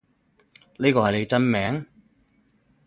呢個係你真名？